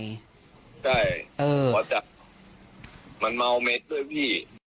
ใช่พอจับมันเมาเม็ดด้วยพี่